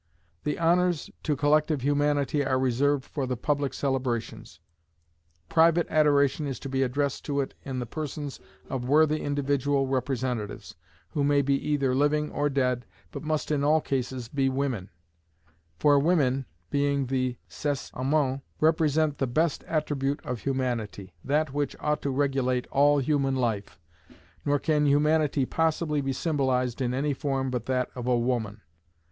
The honours to collective Humanity are reserved for the public celebrations. Private adoration is to be addressed to it in the persons of worthy individual representatives, who may be either living or dead, but must in all cases be women; for women, being the sexe aimant, represent the best attribute of humanity, that which ought to regulate all human life, nor can Humanity possibly be symbolized in any form but that of a woman.